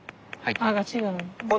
ああ違うの。